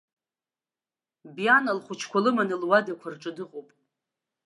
Биана лхәыҷқәа лыманы луадақәа рҿы дыҟоуп.